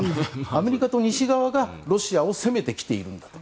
アメリカと西側がロシアを攻めてきているんだと。